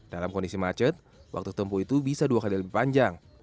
dalam kondisi macet waktu tempuh itu bisa dua kali lebih panjang